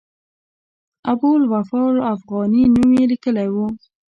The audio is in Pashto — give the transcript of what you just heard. د ابوالوفاء افغاني نوم یې لیکلی و.